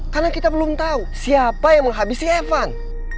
karena kita belum tahu siapa yang menghabisi evan